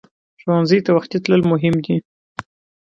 ښوونځی ته وختي تلل مهم دي